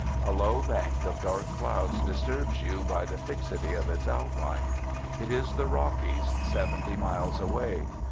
A low bank of dark clouds disturbs you by the fixity of its outline. It is the Rockies, seventy miles away.